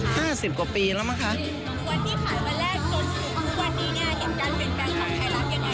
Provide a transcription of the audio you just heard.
๕๐กว่าปีแล้วหรือคะ